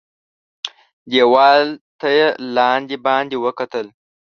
دېوال ته یې لاندي باندي وکتل .